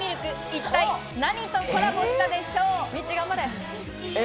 一体、何とコラボしたでしょう？